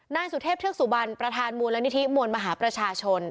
นายสุเทพเทือกสุบันประธานมูลนิธิมวลมหาประชาชน